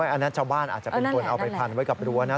อันนั้นชาวบ้านอาจจะเป็นคนเอาไปพันไว้กับรั้วนะ